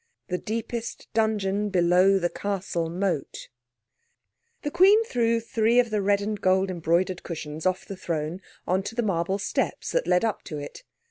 "THE DEEPEST DUNGEON BELOW THE CASTLE MOAT" The Queen threw three of the red and gold embroidered cushions off the throne on to the marble steps that led up to it.